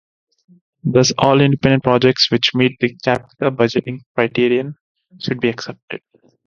Thus, all Independent Projects which meet the Capital Budgeting criterion should be accepted.